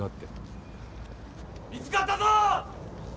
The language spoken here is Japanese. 見つかったぞ！